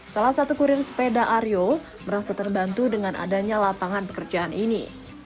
salah satu kurir sepeda aryo merasa terbantu dengan adanya lapangan pekerjaan ini